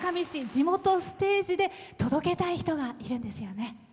地元ステージで届けたい人がいるんですよね。